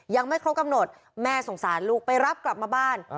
ยังไม่ครบกำหนดแม่สงสารลูกไปรับกลับมาบ้าน